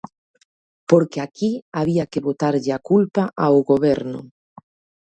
Porque aquí había que botarlle a culpa ao Goberno.